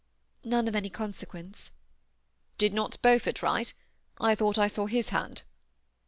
"« None of any oonsequence." ^Did not Beaufort write? I thought I saw his hand."